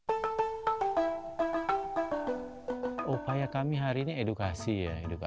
untuk itu kita juga sudah melakukan pengajian kekah dan kemungkinan kita juga bisa mengajukan pembangunan kekah